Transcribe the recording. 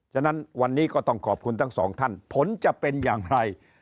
ฉะนั้นวันนี้ก็ต้องขอบคุณทั้งสองท่านผลจะเป็นอย่างไร